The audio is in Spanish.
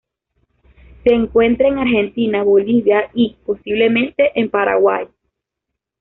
Se encuentra en Argentina, Bolivia y, posiblemente, en Paraguay.